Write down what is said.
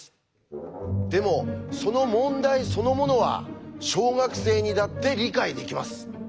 でもその問題そのものは小学生にだって理解できます。